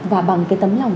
và bằng cái tấm lòng